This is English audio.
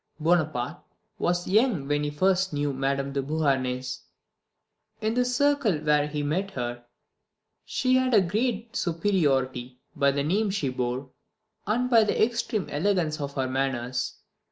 "Bonaparte was young when he first knew Madame de Beauharnais. In the circle where he met her she had a great superiority by the name she bore and by the extreme elegance of her manners